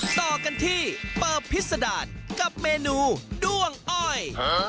ต่อกันที่เปิบพิษดารกับเมนูด้วงอ้อย